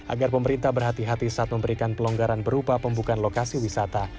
agar pemerintah berhati hati saat memberikan pelonggaran berupa pembukaan lokasi wisata